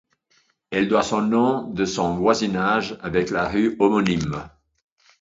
Elle doit son nom de son voisinage avec la rue homonyme.